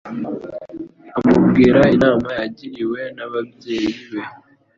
amubwira inama yagiriwe n'ababyeyi be